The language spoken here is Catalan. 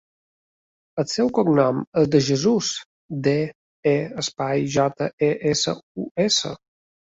El seu cognom és De Jesus: de, e, espai, jota, e, essa, u, essa.